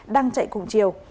đang chạy cùng chiều